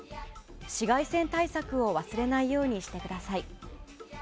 紫外線対策を忘れないようにしてください。